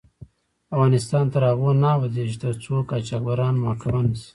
افغانستان تر هغو نه ابادیږي، ترڅو قاچاقبران محاکمه نشي.